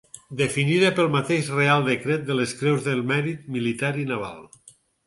Definida pel mateix Reial decret que les Creus del Mèrit Militar i Naval.